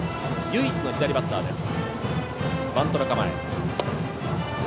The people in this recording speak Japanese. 唯一の左バッターです。